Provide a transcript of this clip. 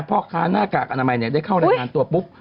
พ่อค้าหน้ากากอนามัยได้เข้ารายงานตัวปุ๊บ